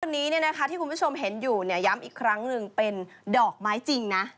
วันนี้ที่คุณผู้ชมเห็นอยู่เนี่ยย้ำอีกครั้งหนึ่งเป็นดอกไม้จริงนะ